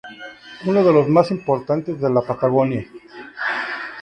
Uno de los más importantes de la Patagonia.